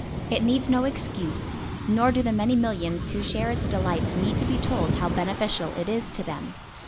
It needs no excuse, nor do the many millions who share its delights need to be told how beneficial it is to them.